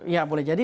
ya boleh jadi